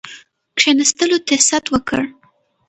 کښېنستلو ته ست وکړ.